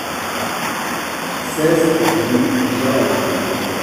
seize rue Jean Lagrive